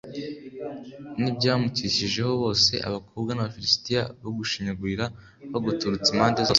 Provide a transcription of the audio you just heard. n’iby’abamukikijeho bose, abakobwa b’Abafilisitiya bagushinyagurira baguturutse impande zose?